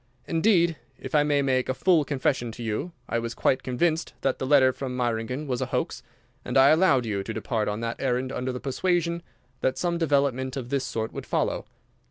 Indeed, if I may make a full confession to you, I was quite convinced that the letter from Meiringen was a hoax, and I allowed you to depart on that errand under the persuasion that some development of this sort would follow.